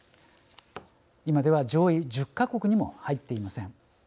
今では上位１０か国にも入っていません。